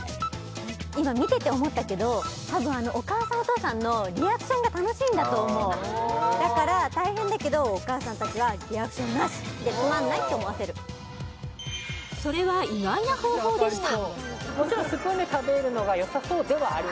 今見てて思ったけど多分お母さんお父さんのリアクションが楽しいんだと思うだから大変だけどお母さんたちはリアクションなし！でつまんないって思わせるそれは意外な方法でした